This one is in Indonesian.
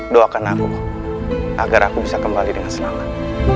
doakan aku agar aku bisa kembali dengan semangat